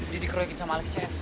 dia dikeroyakin sama alex cs